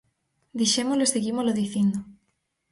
Dixémolo e seguímolo dicindo.